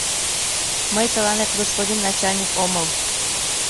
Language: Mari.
— Мый тыланет господин начальник омыл.